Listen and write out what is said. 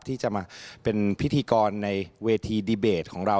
ที่จะมาเป็นพิธีกรในเวทีดีเบตของเรา